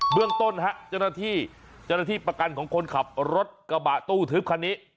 เบื้องต้นฮะจริงที่ประกันของคนขับรถกระบาดตู้เทิบคันนี้